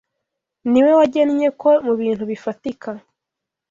Ni we wagennye ko mu bintu bifatika